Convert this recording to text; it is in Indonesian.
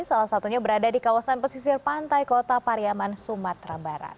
salah satunya berada di kawasan pesisir pantai kota pariaman sumatera barat